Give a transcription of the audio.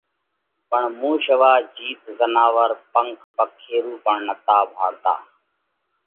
پڻ مُون شيوا جيت زناور پنک پکيرُو پڻ نتا ڀاۯتا۔